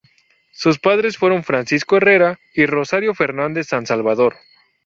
Sus padres fueron Francisco Herrera y Rosario Fernández San Salvador.